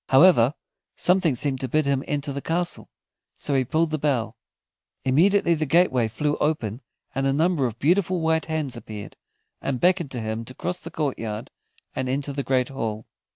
However, something seemed to bid him enter the castle, so he pulled the bell. Immediately the gateway flew open, and a number of beautiful white hands appeared, and beckoned to him to cross the courtyard and enter the great hall.